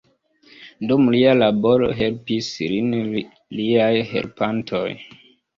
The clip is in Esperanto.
Dum lia laboro helpis lin liaj helpantoj.